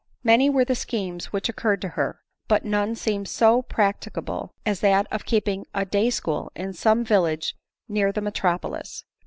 Many were the schemes which occurred to her ; but Hone seemed so practicable as that of keeping a day school in some village near the metropolis.